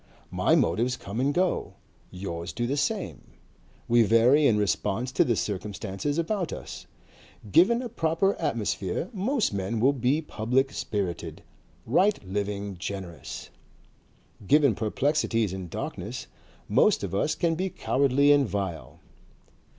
My motives come and go. Yours do the same. We vary in response to the circumstances about us. Given a proper atmosphere, most men will be public spirited, right living, generous. Given perplexities and darkness, most of us can be cowardly and vile.